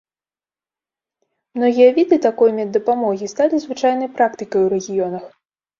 Многія віды такой меддапамогі сталі звычайнай практыкай у рэгіёнах.